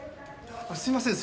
すいません。